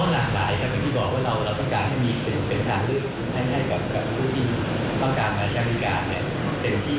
และก็ยังมีอาหารไทยซึ่งยังมีอาหารใต้